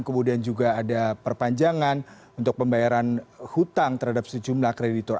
kemudian juga ada perpanjangan untuk pembayaran hutang terhadap sejumlah kreditor